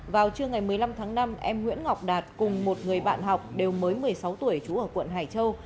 vào trưa ngày một mươi năm tháng năm em nguyễn ngọc đạt cùng một người bạn học đều mới một mươi sáu tuổi trú ở quận hải châu